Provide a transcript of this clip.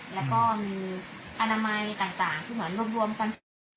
แล้วก็มีอนามัยต่างที่เหมือนรวมกัน